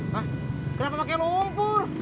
hah kenapa pake lumpur